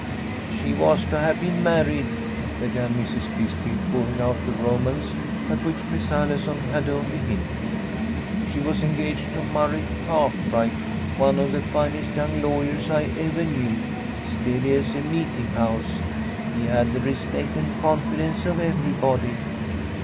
"She was to have been married," began Mrs. Bisbee, pouring out the romance at which Miss Allison had only hinted. "She was engaged to Murray Cathright, one of the finest young lawyers I ever knew, steady as a meeting house. He had the respect and confidence of everybody.